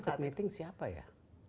yang ikut meeting siapa ya